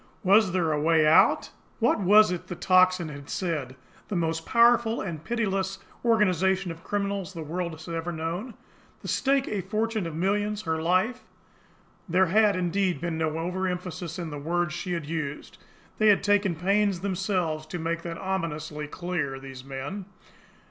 Was there a way out? What was it the Tocsin had said "the most powerful and pitiless organisation of criminals the world has ever known the stake a fortune of millions her life!" There had, indeed, been no overemphasis in the words she had used! They had taken pains themselves to make that ominously clear, these men!